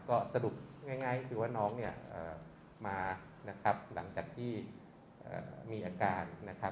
ก็สรุปง่ายคือว่าน้องเนี่ยมานะครับหลังจากที่มีอาการนะครับ